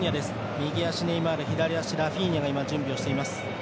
右足、ネイマール左足、ラフィーニャが準備しています。